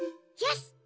よし！